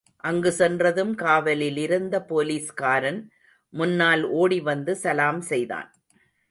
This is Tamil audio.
அங்கு சென்றதும் காவலிலிருந்த போலிஸ்காான் முன்னால் ஓடிவந்து சலாம் செய்தான்.